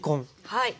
はい。